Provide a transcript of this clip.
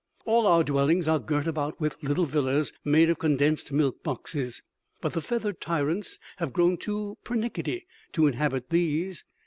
All our dwellings are girt about with little villas made of condensed milk boxes, but the feathered tyrants have grown too pernickety to inhabit these.